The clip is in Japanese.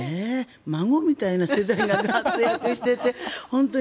孫みたいな世代が活躍していて本当に。